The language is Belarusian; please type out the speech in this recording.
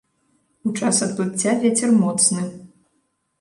У час адплыцця вецер моцны.